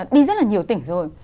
đi rất là nhiều tỉnh rồi